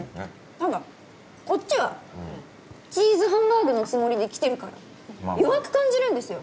ただこっちはチーズハンバーグのつもりで来てるから弱く感じるんですよ！